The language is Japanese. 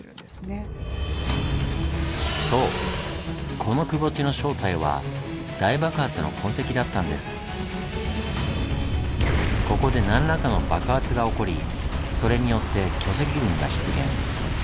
この窪地の正体はここで何らかの爆発が起こりそれによって巨石群が出現。